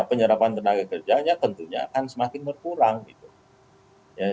penyerapan tenaga kerjanya tentunya akan semakin bertambah